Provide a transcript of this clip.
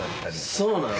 そうなん？